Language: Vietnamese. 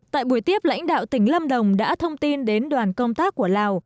tại buổi tiếp lãnh đạo tỉnh lâm đồng đã thông tin đến đoàn công tác của lào